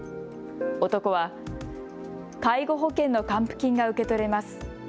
男は介護保険の還付金が受け取れます。